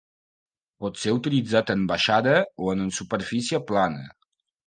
Pot ser utilitzat en baixada o una superfície plana.